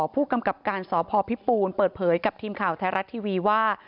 ผู้กำกับการสพพิปูนเปิดเผยกับทีมข่าวไทยรัฐทีวีว่า